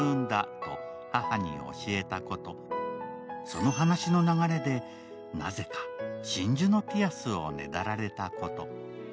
その話の流れで、なぜか真珠のピアスをねだられたこと。